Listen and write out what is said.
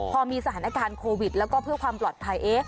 พอมีสถานการณ์โควิดแล้วก็เพื่อความปลอดภัย